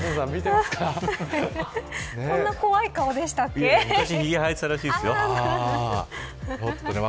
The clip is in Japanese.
こんな怖い顔でしたっけ。